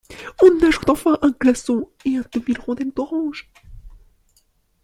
On ajoute enfin, un glaçon et un demi-rondelle d'orange.